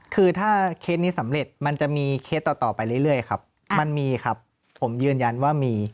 คือถ้าเคสนี้สำเร็จมันจะมีเคสต่อต่อไปเรื่อยครับมันมีครับผมยืนยันว่ามี